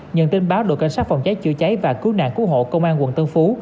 nhận tin báo đội cảnh sát phòng cháy chữa cháy và cứu nạn cứu hộ công an quận tân phú